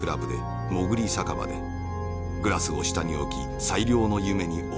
グラスを下に置き最良の夢に思いをはせた。